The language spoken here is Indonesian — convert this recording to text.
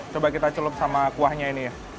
coba kita celup sama kuahnya ini ya